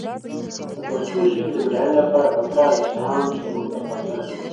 د پښتو ژبې د بډاینې لپاره پکار ده چې عام شعور ته پاملرنه وشي.